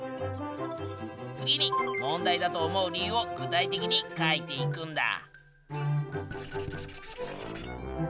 次に問題だと思う理由を具体的に書いていくんだ。